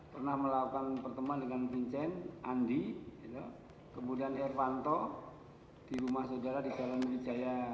pernah melakukan pertemanan dengan vincent andi kemudian irmanto di rumah saudara di jalan wijaya tiga belas